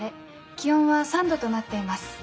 気温は３度となっています。